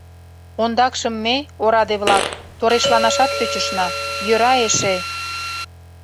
Ондакшым ме, ораде-влак, торешланашат тӧчышна, йӧра эше...